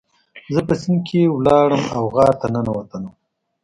زه په سیند کې لاړم او غار ته ننوتلم.